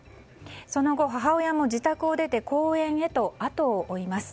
その後、母親も自宅を出て公園へと後を追います。